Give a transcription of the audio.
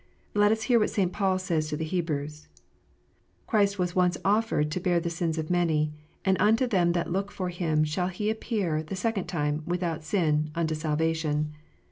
Let us hear what St. Paul says to the Hebrews :" Christ was once offered to bear the sins of many ; and unto them that look for Him shall He appear the second time, without sin, unto salvation."